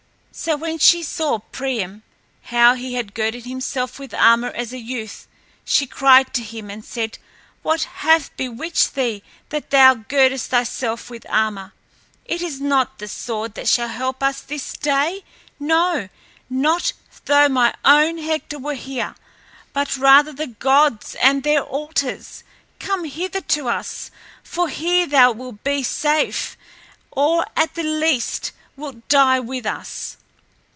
So when she saw Priam, how he had girded himself with armor as a youth, she cried to him and said, "What hath bewitched thee, that thou girdest thyself with armor? It is not the sword that shall help us this day; no, not though my own Hector were here, but rather the gods and their altars. Come hither to us, for here thou wilt be safe, or at the least wilt die with us."